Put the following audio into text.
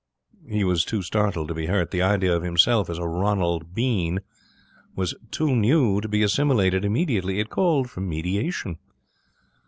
He was too startled to be hurt. The idea of himself as a Roland Bean was too new to be assimilated immediately. It called for meditation.